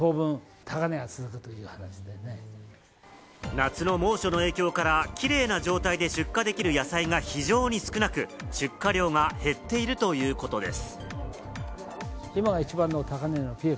夏の猛暑の影響からキレイな状態で出荷できる野菜が非常に少なく、出荷量が減っているということです。